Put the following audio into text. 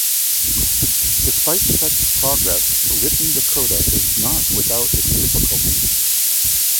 Despite such progress, written Dakota is not without its difficulties.